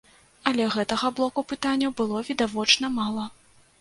Але гэтага блоку пытанняў было відавочна мала.